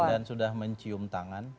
dan sudah mencium tangan